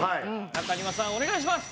中庭さんお願いします。